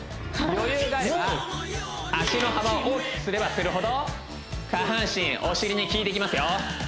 余裕があれば脚の幅を大きくすればするほど下半身お尻に効いていきますよ